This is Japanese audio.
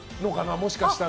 もしかしたら。